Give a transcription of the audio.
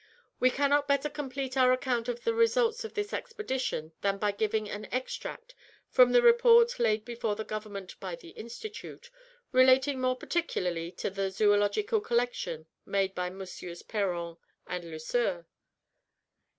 We cannot better complete our account of the results of this expedition than by giving an extract from the report laid before the Government by the Institute, relating more particularly to the zoological collection made by MM. Péron and Lesueur.